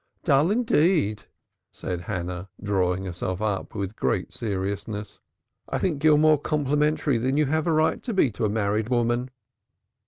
"Dull indeed!" said Hannah, drawing herself up with great seriousness. "I think you're more complimentary than you have a right to be to a married woman."